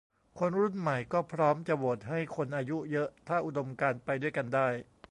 คนรุ่นใหม่ก็พร้อมจะโหวตให้คนอายุเยอะถ้าอุดมการณ์ไปด้วยกันได้